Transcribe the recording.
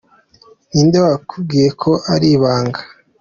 ninde wabikubwiye ko ari ibanga.